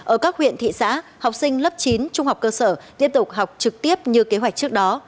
ở các huyện thị xã học sinh lớp chín trung học cơ sở tiếp tục học trực tiếp như kế hoạch trước đó